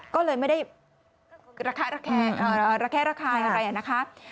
ก็เลยไม่ได้ระแคะระคายอะไรนะคะ